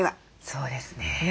そうですね。